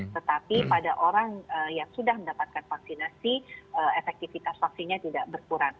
tetapi pada orang yang sudah mendapatkan vaksinasi efektivitas vaksinnya tidak berkurang